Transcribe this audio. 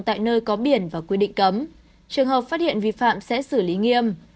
tại nơi có biển và quy định cấm trường hợp phát hiện vi phạm sẽ xử lý nghiêm